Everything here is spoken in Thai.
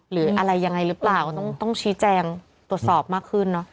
หรืออะไรยังไงหรือเปล่าก็ต้องชี้แจงตรวจสอบมากขึ้นเนอะ